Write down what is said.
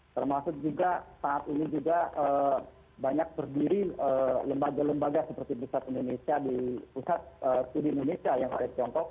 termasuk juga saat ini juga banyak berdiri lembaga lembaga seperti pusat indonesia di pusat studi indonesia yang ada di tiongkok